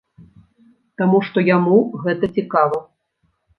Таму што яму гэта цікава.